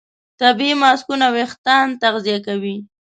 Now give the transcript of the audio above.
طبیعي ماسکونه وېښتيان تغذیه کوي.